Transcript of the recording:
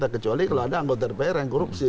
kecuali kalau ada anggota dpr yang korupsi